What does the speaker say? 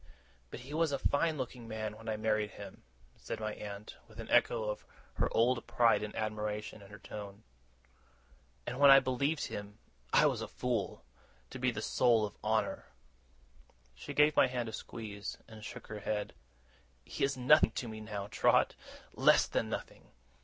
But he was a fine looking man when I married him,' said my aunt, with an echo of her old pride and admiration in her tone; 'and I believed him I was a fool! to be the soul of honour!' She gave my hand a squeeze, and shook her head. 'He is nothing to me now, Trot less than nothing.